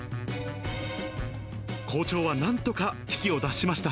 校長はなんとか危機を脱しました。